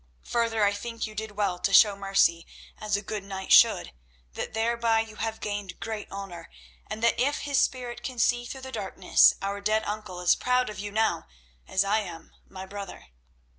Further, I think you did well to show mercy, as a good knight should; that thereby you have gained great honour, and that if his spirit can see through the darkness, our dead uncle is proud of you now, as I am, my brother."